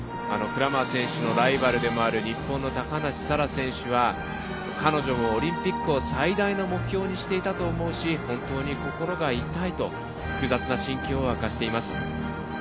クラマー選手のライバルでもある日本の高梨沙羅選手は彼女もオリンピックを最大の目標にしていたと思うし本当に心が痛いと複雑な心境を明かしています。